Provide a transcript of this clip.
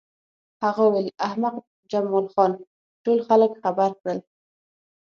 هغه وویل چې احمق جمال خان ټول خلک خبر کړل